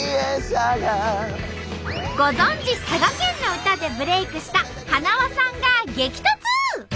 ご存じ佐賀県の歌でブレークしたはなわさんが激突！